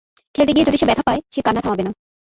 খেলতে গিয়ে যদি সে ব্যাথা পায়, সে কান্না থামাবে না।